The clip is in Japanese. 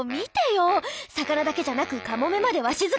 魚だけじゃなくカモメまでわしづかみ。